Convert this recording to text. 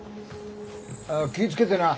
あ気ぃ付けてな。